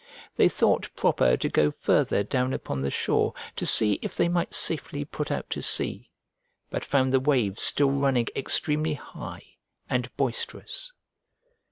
They thought proper to go farther down upon the shore to see if they might safely put out to sea, but found the waves still running extremely high, and boisterous.